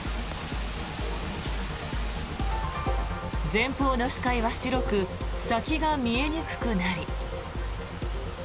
前方の視界は白く先が見えにくくなり